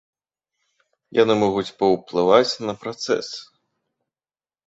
Яны могуць паўплываць на працэс.